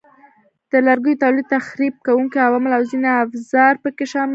د لرګیو تولید، تخریب کوونکي عوامل او ځینې افزار پکې شامل دي.